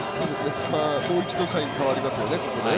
もう一度サインが変わりますよね。